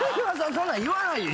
そんなん言わないでしょ。